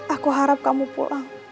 aku harap kamu pulang